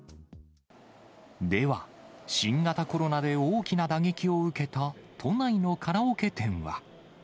では、新型コロナで大きな打撃を受けた都内のカラオケ店は。